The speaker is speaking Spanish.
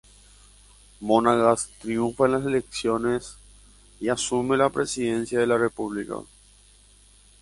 Monagas triunfa en las elecciones y asume la presidencia de la república.